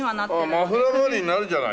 マフラー代わりになるじゃない。